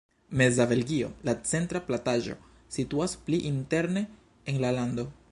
Meza Belgio, la centra plataĵo, situas pli interne en la lando.